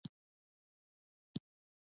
مصنوعي ځیرکتیا د راتلونکي په اړه فکر ژوروي.